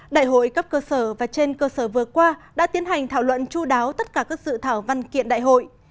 đại hội cấp cơ sở và trên cơ sở vừa qua đã tiến hành thảo luận chú đáo tất cả các dự thảo văn kiện đại hội